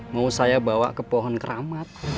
mau saya bawa ke pohon keramat